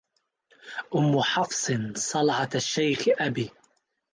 أم حفص صلعة الشيخ أبي